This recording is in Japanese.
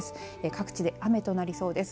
各地で雨となりそうです。